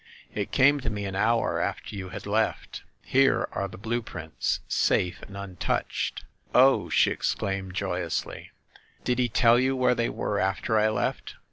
It came to me an hour after you had left. Here are the blue prints, safe and untouched." "Oh!" she exclaimed joyously. "Did he tell you where they were after I left?"